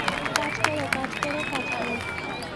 কাজ কর, কাজ কর, কাজ কর।